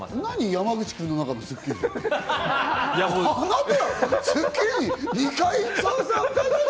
山口君の中の『スッキリ』って。